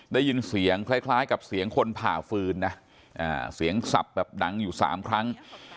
ได้ยินเสียงคล้ายกับเสียงคนผ่าฟืนนะเสียงสับแบบดังอยู่๓ครั้ง